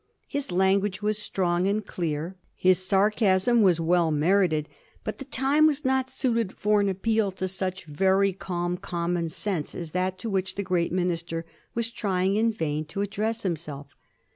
His language was strong and clear; his sarcasm was well merited; but the time was not suited for an appeal to such very calm common sense as that to which the great minister was trying in vain to address himself.